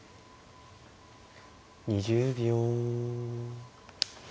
２０秒。